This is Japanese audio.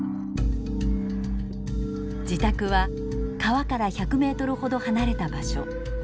自宅は川から１００ｍほど離れた場所。